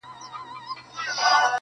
هم بېحده رشوت خوره هم ظالم وو!.